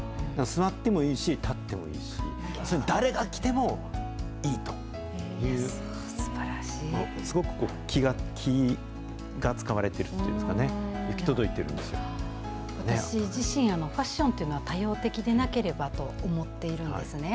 座ってもいいし、立ってもいいし、誰が着てもいいという、すごく気が遣われてるっていうんですかね、私自身、ファッションというのは多様的でなければと思っているんですね。